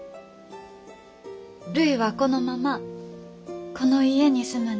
るいはこのままこの家に住むんじゃ。